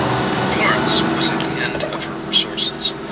Florence was at the end of her resources.